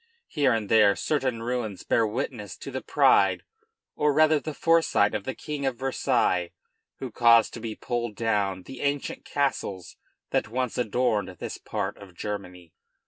Here and there certain ruins bear witness to the pride or rather the foresight of the King of Versailles, who caused to be pulled down the ancient castles that once adorned this part of Germany.